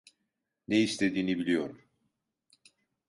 Ne istediğini biliyorum.